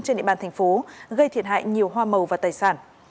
trên địa bàn tp gây thiệt hại nhiều hoa màu và tài sản